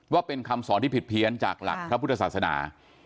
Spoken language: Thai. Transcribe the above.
ว่าเป็นคำสอนที่ผิดเพี้ยนจากหลักพระพุทธศาสนา